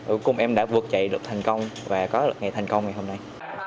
cuối cùng em đã vượt chạy được thành công và có được ngày thành công ngày hôm nay